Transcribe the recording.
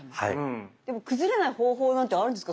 でも崩れない方法なんてあるんですか？